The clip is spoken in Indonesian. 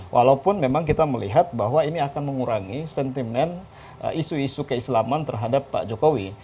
walaupun memang kita melihat bahwa ini akan mengurangi sentimen isu isu keislaman terhadap pak jokowi